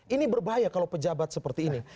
ini berbahaya kalau pejabat seperti ini